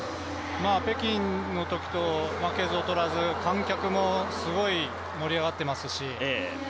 北京のときと負けず劣らず観客もすごい盛り上がってますし。